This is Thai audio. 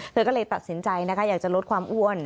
เธอก็เลยตัดสินใจนะคะอยากจะลดความอ้วน